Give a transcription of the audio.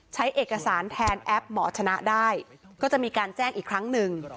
ใช้เอกสารแทนแอปหมอชนะได้ก็จะมีการแจ้งอีกครั้งหนึ่ง